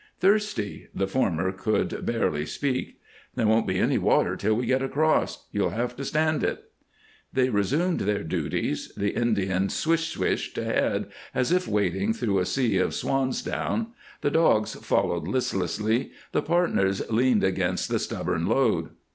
"Thirsty!" The former could barely speak. "There won't be any water till we get across. You'll have to stand it." They resumed their duties; the Indian "swish swished" ahead, as if wading through a sea of swan's down; the dogs followed listlessly; the partners leaned against the stubborn load.